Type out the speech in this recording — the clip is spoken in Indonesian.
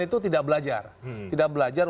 itu tidak belajar tidak belajar